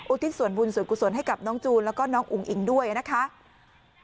ทิศส่วนบุญส่วนกุศลให้กับน้องจูนแล้วก็น้องอุ๋งอิงด้วยนะคะ